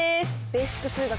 「ベーシック数学」